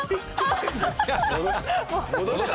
戻した。